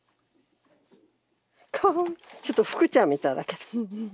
ちょっとフクちゃんみたいだけど。